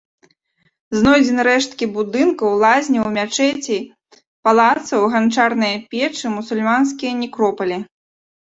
Знойдзены рэшткі будынкаў, лазняў, мячэцей, палацаў, ганчарныя печы, мусульманскія некропалі.